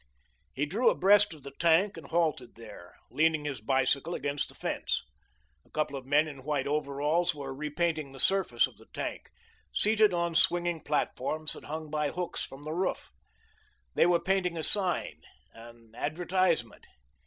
He drew abreast of the tank and halted there, leaning his bicycle against the fence. A couple of men in white overalls were repainting the surface of the tank, seated on swinging platforms that hung by hooks from the roof. They were painting a sign an advertisement.